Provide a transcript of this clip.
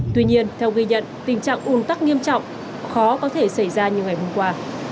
tuy nhiên theo ghi nhận tình trạng un tắc nghiêm trọng khó có thể xảy ra như ngày hôm qua